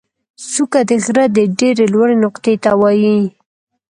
څوکه د غره د ډېرې لوړې نقطې ته وایي.